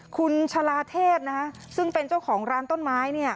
คุณชะลาเทศซึ่งเป็นเจ้าของร้านต้นไม้เนี่ย